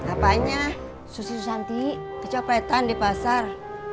apanya susi susanti kecopretan di pasar